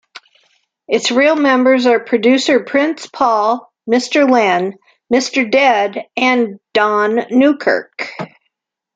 Its real members are producer Prince Paul, Mr. Len, Mr. Dead and Don Newkirk.